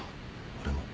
俺も。